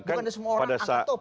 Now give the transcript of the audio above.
bukan semua orang antotopi